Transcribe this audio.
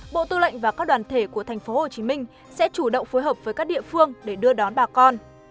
bộ tư lệnh và các đoàn thể của tp hcm sẽ chủ động phối hợp với các địa phương để đưa đón bà con